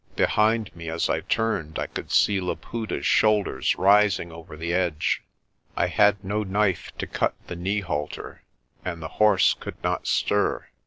Behind me, as I turned, I could see Laputa's shoulders rising over the edge. I had no knife to cut the knee halter, and the horse could not stir.